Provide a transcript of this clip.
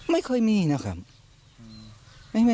ไม่เคยมีนะครับ